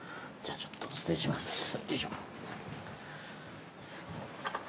じゃあちょっと失礼します。